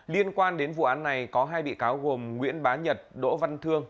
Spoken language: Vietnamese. liên quan đến vụ án này có hai bị cáo gồm nguyễn bá nhật đỗ văn thương